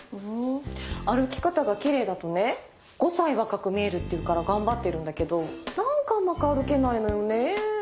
歩き方がきれいだとね５歳若く見えるっていうから頑張ってるんだけどなんかうまく歩けないのよね。